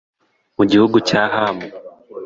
mu gihugu cya hamu